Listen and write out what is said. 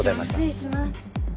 失礼します。